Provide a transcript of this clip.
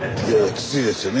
きついですね。